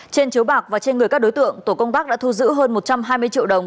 trên chiếu bạc và trên người các đối tượng tổ công tác đã thu giữ hơn một trăm hai mươi triệu đồng